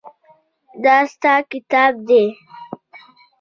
دا ستا کتاب دی.